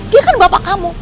dia kan bapak kamu